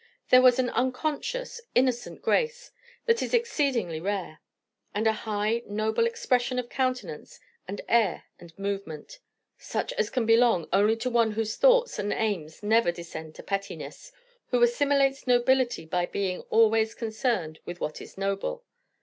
There was an unconscious, innocent grace, that is exceedingly rare. And a high, noble expression of countenance and air and movement, such as can belong only to one whose thoughts and aims never descend to pettinesses; who assimilates nobility by being always concerned with what is noble.